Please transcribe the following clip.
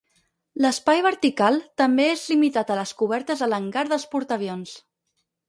L'espai vertical també és limitat a les cobertes de l'hangar dels portaavions.